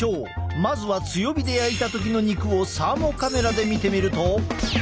まずは強火で焼いた時の肉をサーモカメラで見てみると。